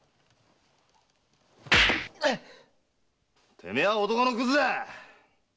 てめえは男のクズだっ！